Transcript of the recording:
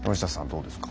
どうですか？